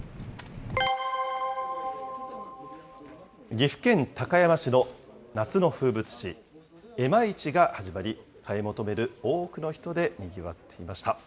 岐阜県高山市の夏の風物詩、絵馬市が始まり、買い求める多くの人でにぎわっていました。